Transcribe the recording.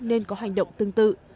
nên có hành động tương tự